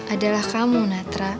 adalah kamu natra